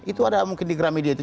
itu ada mungkin di gramedia itu